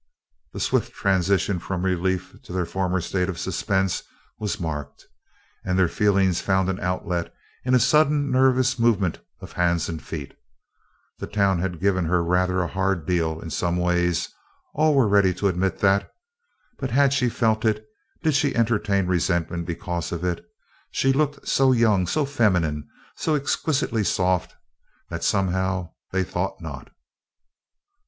The swift transition from relief to their former state of suspense was marked, and their feelings found an outlet in a sudden nervous movement of hands and feet. The town had given her rather a hard deal in some ways, all were ready to admit that, but had she felt it? Did she entertain resentment because of it? She looked so young, so feminine, so exquisitely soft that, somehow, they thought not.